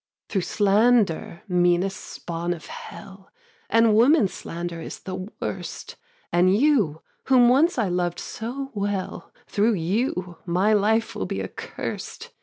5. 'Thro' slander, meanest spawn of Hell (And women's slander is the worst), And you, whom once I loved so well, Thro' you, my life will be accurst.'